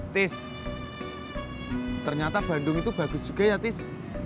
tis ternyata bandung itu bagus juga ya tis